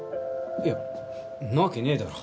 いやんなわけねぇだろ。